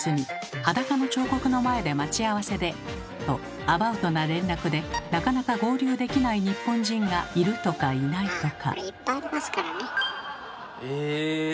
「裸の彫刻の前で待ち合わせで！」とアバウトな連絡でなかなか合流できない日本人がいるとかいないとか。